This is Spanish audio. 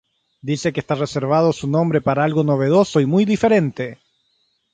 Dice que está reservando su nombre para algo novedoso y muy diferente.